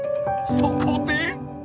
［そこで］